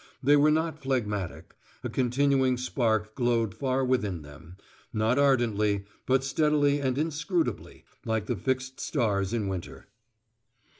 They were not phlegmatic: a continuing spark glowed far within them, not ardently, but steadily and inscrutably, like the fixed stars in winter.